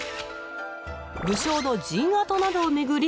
武将の陣跡などを巡り